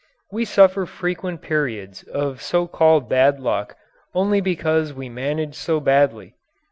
We suffer frequent periods of so called bad luck only because we manage so badly.